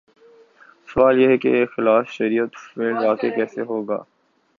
سوال یہ ہے کہ ایک خلاف شریعت فعل واقع کیسے ہوگا؟